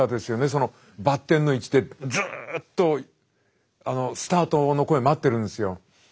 そのバッテンの位置でずっとスタートの声待ってるんですよ。